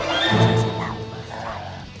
อย่าเสียสวย